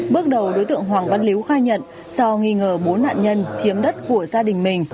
bước đầu đối tượng hoàng văn líu khai nhận do nghi ngờ bốn nạn nhân chiếm đất của gia đình mình